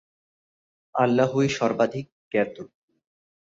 আল্লাহই সর্বাধিক জ্ঞাত।